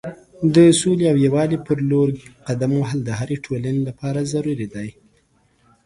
د سولې او یووالي په لور قدم وهل د هرې ټولنې لپاره ضروری دی.